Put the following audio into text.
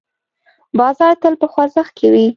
بازار تل په خوځښت کې وي.